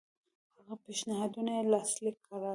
د هغه پېشنهادونه یې لاسلیک کړل.